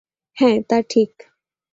হ্যাঁ তা ঠিক।